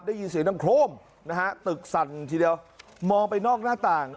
ได้ยินเสียงดังโครมนะฮะตึกสั่นทีเดียวมองไปนอกหน้าต่าง